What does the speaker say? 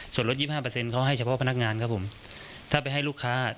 สดลดยิบห้าเปอร์เซ็นต์เขาให้เฉพาะพนักงานครับผมถ้าไปให้ลูกค้าอ่ะ